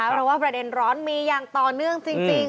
เพราะว่าประเด็นร้อนมีอย่างต่อเนื่องจริง